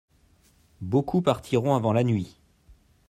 Beaucoup partiront avant la nuit.